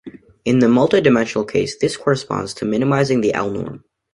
In the multi-dimensional case this corresponds to minimizing the L norm.